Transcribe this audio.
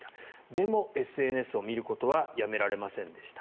でも、ＳＮＳを見ることはやめられませんでした。